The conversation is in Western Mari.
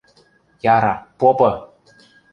— Яра, попы!